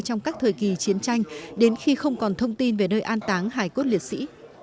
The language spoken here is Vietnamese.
trong các thời kỳ chiến tranh đến khi không còn thông tin về nơi an táng hải cốt liệt sĩ